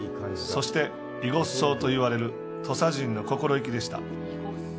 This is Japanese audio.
そして、「いごっそう」と言われる土佐人の心意気でした。